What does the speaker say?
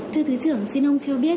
thưa thứ trưởng xin ông cho biết